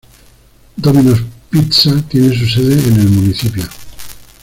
Domino's Pizza tiene su sede en el municipio.